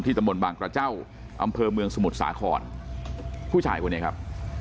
ตำบลบางกระเจ้าอำเภอเมืองสมุทรสาครผู้ชายคนนี้ครับ